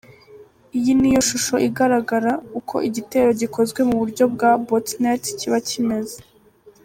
Iyi niyo shusho igaraga uko igitero gikozwe mu buryo bwa'Botnet' kiba kimeze.